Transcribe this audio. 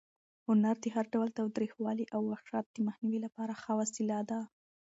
هنر د هر ډول تاوتریخوالي او وحشت د مخنیوي لپاره ښه وسله ده.